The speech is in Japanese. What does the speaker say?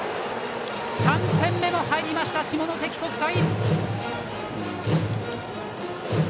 ３点目が入りました下関国際。